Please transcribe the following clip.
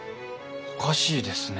おかしいですね。